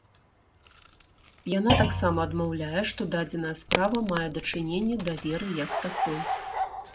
Яна таксама адмаўляе, што дадзеная справа мае дачыненне да веры як такой.